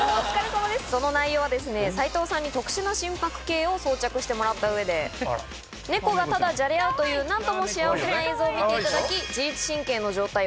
その内容は斉藤さんに特殊な心拍計を装着してもらった上で猫がただじゃれ合うという幸せな映像を見ていただき。